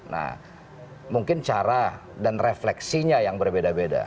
nah mungkin cara dan refleksinya yang berbeda beda